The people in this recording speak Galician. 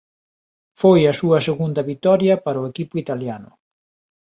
Foi a súa segunda vitoria para o equipo italiano.